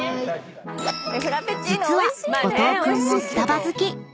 ［実は後藤君もスタバ好き］